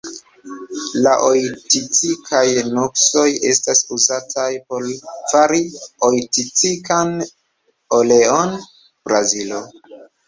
La oiticikaj nuksoj estas uzataj por fari oiticikan oleon (Brazilo).